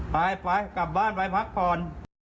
ไปไปกลับบ้านไปพักผ่อน